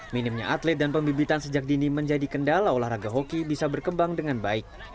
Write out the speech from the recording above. minimnya atlet dan pembibitan sejak dini menjadi kendala olahraga hoki bisa berkembang dengan baik